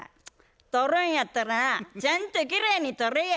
撮るんやったらなちゃんときれいに撮れや。